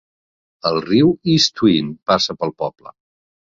El riu East Twin passa pel poble.